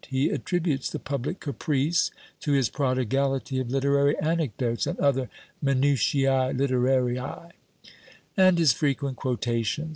He attributes the public caprice to his prodigality of literary anecdotes, and other minutiÃḊ literariÃḊ, and his frequent quotations!